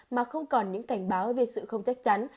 mà không còn những cảnh báo về sự không chắc chắn